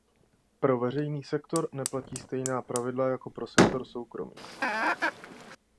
Pro veřejný sektor neplatí stejná pravidla jako pro sektor soukromý.